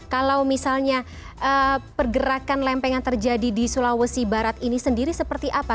kalau misalnya pergerakan lempengan terjadi di sulawesi barat ini sendiri seperti apa